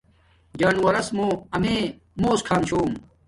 جانوروس موں امیے موس کھام چھوم